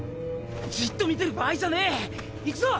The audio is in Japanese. じっと見てる場合じゃねえ！